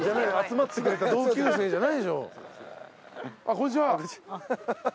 こんにちは。